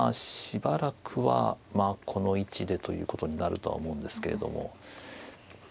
しばらくはこの位置でということになるとは思うんですけれども。